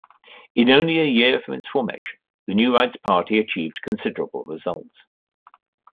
In only a year from its formation, the New Rights Party achieved considerable results.